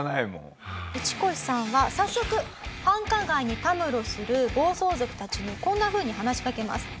ウチコシさんは早速繁華街にたむろする暴走族たちにこんなふうに話しかけます。